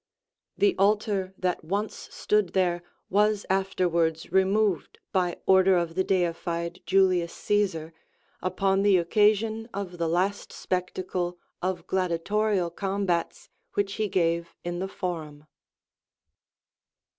The altar that once stood there was after wards removed by order of the deified Julius Caesar, upon the occasion of the last spectacle of gladiatorial combats77 which he gave in the Forum.